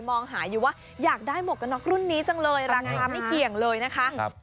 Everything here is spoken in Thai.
มองหาอยู่ว่าอยากได้หมวกกันน็อกรุ่นนี้จังเลยราคาไม่เกี่ยงเลยนะคะ